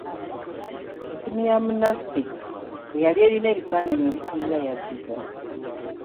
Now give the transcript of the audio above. Essimu ya munnaffe eyali alina ebifaananyi ebisinga yabbibwa.